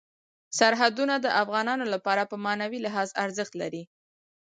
سرحدونه د افغانانو لپاره په معنوي لحاظ ارزښت لري.